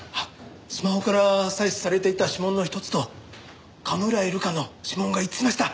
スマホから採取されていた指紋のひとつと甘村井留加の指紋が一致しました。